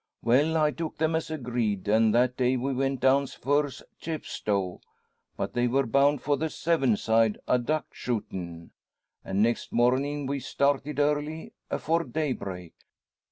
"Well; I took them, as agreed; an' that day we went down's fur's Chepstow. But they wor bound for the Severn side a duck shootin'; and next mornin' we started early, afore daybreak.